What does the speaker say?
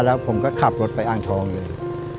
แล้วผมก็ขับรถไปอ่างทองเลย